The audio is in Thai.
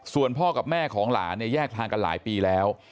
ส่วนพ่อกับแม่ของหลานเนี่ยแยกทางกันหลายปีแล้ว